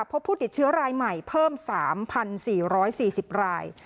เพราะผู้ติดเชื้อรายใหม่เพิ่มสามพันสี่ร้อยสี่สิบราย